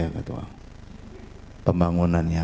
yang terakhir sekali saja pembangunannya